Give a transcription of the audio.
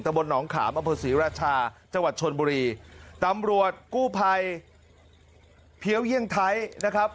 บนหนองขามอำเภอศรีราชาจังหวัดชนบุรีตำรวจกู้ภัยเพี้ยวเยี่ยงไทยนะครับ